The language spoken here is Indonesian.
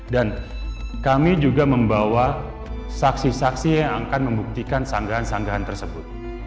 dan kami juga membawa saksi saksi yang akan membuktikan sanggahan sanggahan tersebut